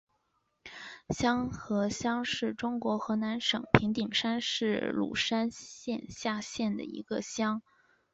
瀼河乡是中国河南省平顶山市鲁山县下辖的一个乡。